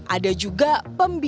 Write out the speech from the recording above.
ada juga pembeli